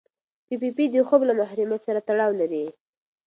پي پي پي د خوب له محرومیت سره تړاو لري.